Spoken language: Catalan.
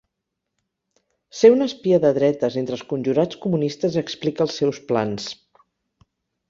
Ser un espia de dretes entre els conjurats comunistes explica els seus plans.